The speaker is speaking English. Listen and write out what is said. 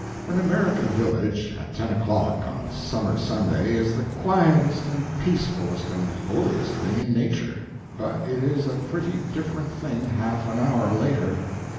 An American village at ten o'clock on a summer Sunday is the quietest and peacefulest and holiest thing in nature; but it is a pretty different thing half an hour later.